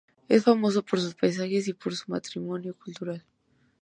Es famoso por sus paisajes, y por su patrimonio cultural.